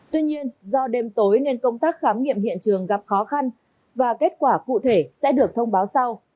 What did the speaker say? tuy nhiên do đêm tối nên công tác khám nghiệm hiện trường gặp khó khăn và kết quả cụ thể sẽ được thông báo sau